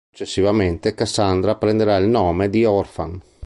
Successivamente Cassandra prenderà il nome di Orphan.